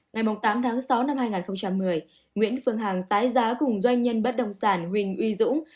ngày tám tháng sáu năm hai nghìn một mươi nguyễn phương hằng tái giá cùng doanh nhân bất động sản huỳnh uy dũng